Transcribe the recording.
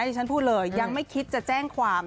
ที่ฉันพูดเลยยังไม่คิดจะแจ้งความ